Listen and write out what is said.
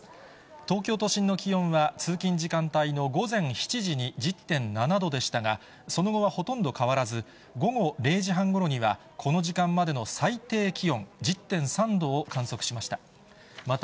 東京都心の気温は、通勤時間帯の午前７時に１０．７度でしたが、その後はほとんど変わらず、午後０時半ごろには、この時間までの最低気温、１０．３度を観測しました。